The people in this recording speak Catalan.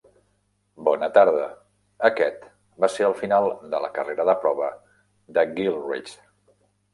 Bona tarda. Aquest va ser el final de la carrera de prova de Gilchrist.